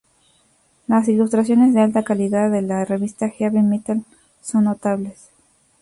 Las ilustraciones de alta calidad de la revista Heavy Metal son notables.